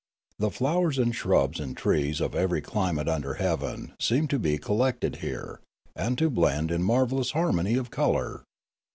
The flowers and shrubs and trees of every climate under heaven seemed to be collected here, and to blend in marvellous harmony of colour.